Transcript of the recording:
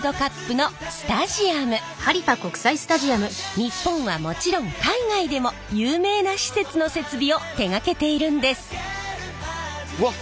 日本はもちろん海外でも有名な施設の設備を手がけているんです。